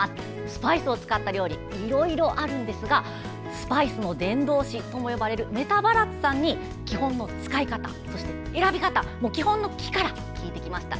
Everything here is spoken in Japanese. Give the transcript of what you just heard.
スパイスを使った料理いろいろあるんですがスパイスの伝道師とも呼ばれるメタ・バラッツさんに基本の使い方、そして選び方基本のキから聞いてきました。